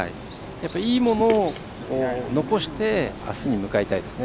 いいものを残してあすに向かいたいですね。